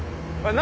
何？